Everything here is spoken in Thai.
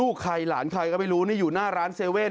เขาไม่รู้ด้วย